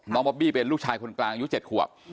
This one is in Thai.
บอบบี้เป็นลูกชายคนกลางอายุ๗ขวบ